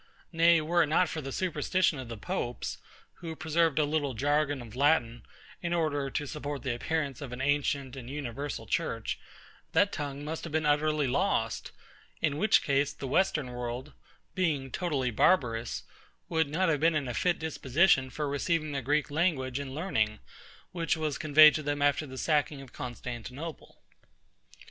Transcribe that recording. Nay, were it not for the superstition of the Popes, who preserved a little jargon of Latin, in order to support the appearance of an ancient and universal church, that tongue must have been utterly lost; in which case, the Western world, being totally barbarous, would not have been in a fit disposition for receiving the GREEK language and learning, which was conveyed to them after the sacking of CONSTANTINOPLE.